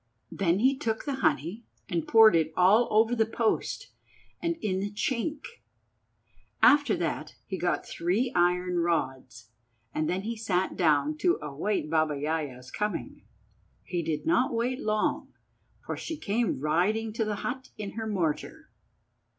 Then he took the honey and poured it all over the post and in the chink. After that he got three iron rods, and then he sat down to await Baba Yaja's coming. He did not wait long, for she came riding to the hut in her mortar.